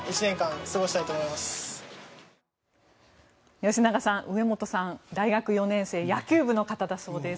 吉永さん植本さん、大学４年生野球部の方だそうです。